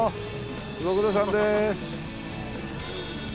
ご苦労さんです。